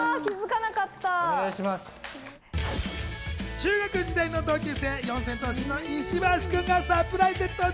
中学時代の同級生、四千頭身の石橋君がサプライズで登場！